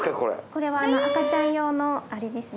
これは赤ちゃん用のあれですね。